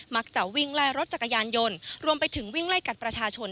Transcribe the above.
จะวิ่งไล่รถจักรยานยนต์รวมไปถึงวิ่งไล่กัดประชาชน